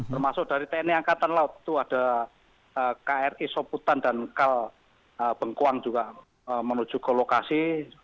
termasuk dari tni angkatan laut itu ada kri soputan dan kal bengkuang juga menuju ke lokasi